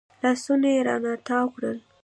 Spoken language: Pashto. لاسونه يې رانه تاو کړل.